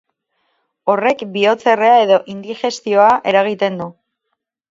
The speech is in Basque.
Horrek bihotzerrea edo indigestioa eragiten du.